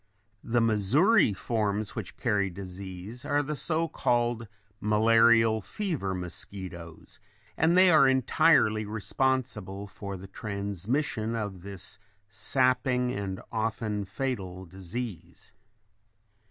The Missouri forms which carry disease are the so called malarial fever mosquitoes, and they are entirely responsible for the transmission of this sapping and often fatal disease.